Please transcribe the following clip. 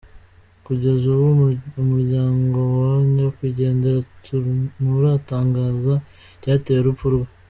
Kugeza ubu, umuryango wa nyakwigendera nturatangaza icyateye urupfu rwe.